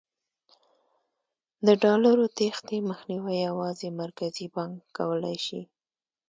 د ډالرو تېښتې مخنیوی یوازې مرکزي بانک کولای شي.